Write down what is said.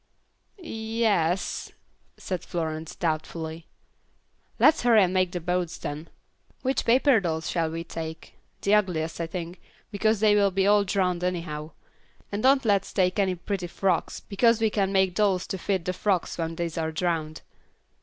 "Ye es," said Florence, doubtfully. "Let's hurry and make the boats then. Which paper dolls shall we take? The ugliest, I think, because they will all be drowned anyhow; and don't let's take any pretty frocks, because we can make dolls to fit the frocks when these are drowned."